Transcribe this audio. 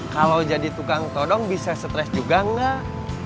kalau jadi tukang todong bisa stres juga enggak